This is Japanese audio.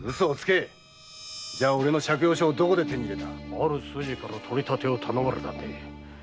ある筋から取り立てを頼まれたんで。